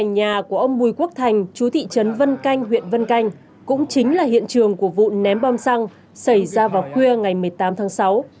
nhà của ông bùi quốc thành chú thị trấn vân canh huyện vân canh cũng chính là hiện trường của vụ ném bom xăng xảy ra vào khuya ngày một mươi tám tháng sáu